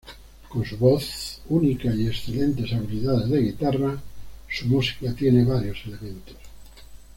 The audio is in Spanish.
Con su voz única y excelentes habilidades de guitarra, su música tiene varios elementos.